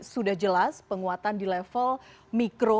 sudah jelas penguatan di level mikro